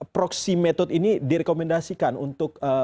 proxy metode ini direkomendasikan untuk